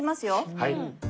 はい。